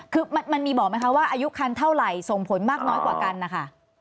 คือมันมีบอกไหมคะว่าอายุคันเท่าไหร่ส่งผลมากน้อยกว่ากันนะคะ